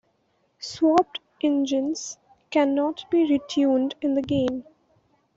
Swapped engines cannot be retuned in the game.